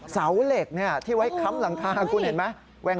เสาเหล็กที่ไว้ค้ำหลังคาคุณเห็นไหม